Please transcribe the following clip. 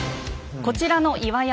こちらの岩山。